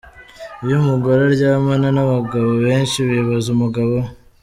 Iyo umugore aryamana n’abagabo benshi bibabaza umugabo we.